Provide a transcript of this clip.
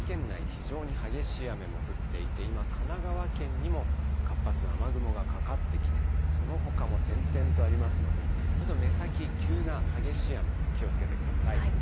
非常に激しい雨も降っていて、今、神奈川県にも活発な雨雲がかかってきて、そのほかも点々とありますので、ちょっと目先、急な激しい雨、気をつけてください。